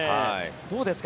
どうですか？